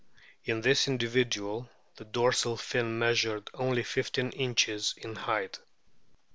In this individual the dorsal fin measured only 15 inches in height.